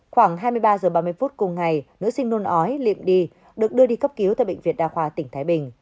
khoảng hai mươi ba h ba mươi phút cùng ngày nữ sinh nôn ói liệm đi được đưa đi cấp cứu tại bệnh viện đa khoa tỉnh thái bình